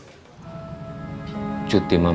mama nggak jadi pulang